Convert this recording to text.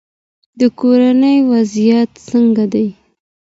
د کورنۍ وضعیت څنګه دی؟